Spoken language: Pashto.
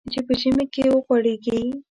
چې په ژمي کې وغوړېږي .